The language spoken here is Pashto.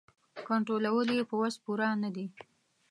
کنټرولول یې په وس پوره نه دي.